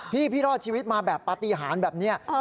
พี่รอดชีวิตมาแบบปฏิหารแบบนี้